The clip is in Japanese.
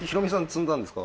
積んだんですか？